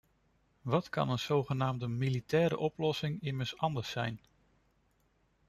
Wat kan een zogenaamde militaire oplossing immers anders zijn?